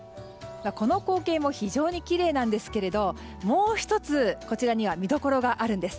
この光景も非常にきれいですがもう１つ、こちらには見どころがあるんです。